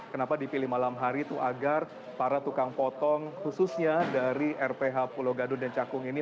kenapa dipilih malam hari itu agar para tukang potong khususnya dari rph pulau gadu dan cakung ini